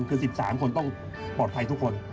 คือ๑๓คนต้องปลอดภัยทุกคน